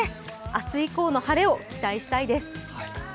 明日以降の晴れを期待したいです。